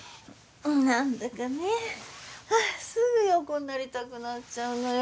うん何だかねすぐ横になりたくなっちゃうのよ